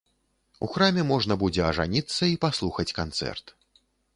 У храме можна будзе ажаніцца і паслухаць канцэрт.